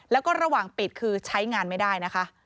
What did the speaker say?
แล้วก็ระหว่างปิดคือใช้งานไม่ได้นะคะ